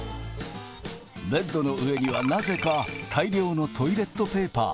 ベッドの上にはなぜか大量のトイレットペーパー。